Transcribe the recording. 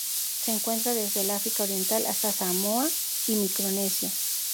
Se encuentra desde el África Oriental hasta Samoa y Micronesia.